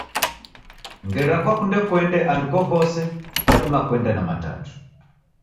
Ngera kwakunde kuende andu ukokose kwadima kuenda na Matatu.